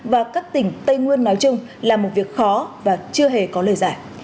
và các tỉnh tây nguyên nói chung là một việc khó và chưa hề có lời giải